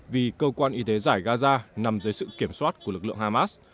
vì cơ quan y tế giải gaza nằm dưới sự kiểm soát của lực lượng hamas